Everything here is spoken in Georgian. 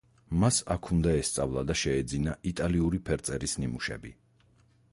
მას აქ უნდა ესწავლა და შეეძინა იტალიური ფერწერის ნიმუშები.